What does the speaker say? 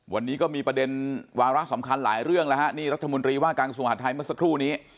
วันนี้ก็มีประเด็นวาระสำคัญหลายเรื่องรัฐธรรมดีว่าการประชุมว๒๐๒๕เมื่อสักครู่ที่